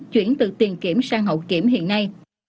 chuyển từ tiền kiểm sang hậu kiểm hiện nay